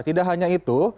tidak hanya itu